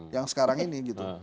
yang sekarang ini gitu